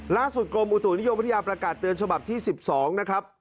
ล้านสุดกรมอุตถุนิยมวัฒนิยาประกาศเตือนฉบับที่๑๒นะครับ